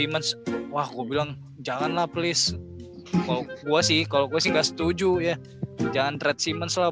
wajah gua bilang janganlah please mau gua sih kalau gue nggak setuju ya jangan redsiman salah